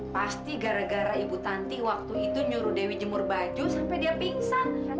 pasti gara gara ibu tanti waktu itu nyuruh dewi jemur baju sampai dia pingsan